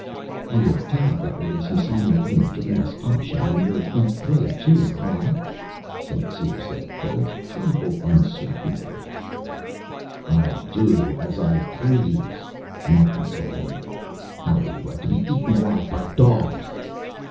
"You will tear up that release and sign an agreement giving us option on your next play too, ha?" St. Cyr said but a trifle uncertainly. "I'll do as I please," Martin told him. "How would you like to be eaten alive by dogs?"